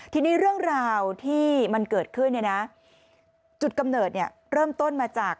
ทีนี้เรื่องราวที่มันเกิดขึ้นเนี่ยนะจุดกำเนิดเนี่ยเริ่มต้นมาจาก